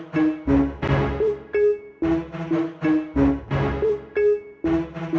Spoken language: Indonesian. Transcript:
segera meminta rose